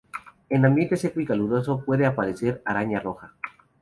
En ambiente seco y caluroso puede aparecer araña roja.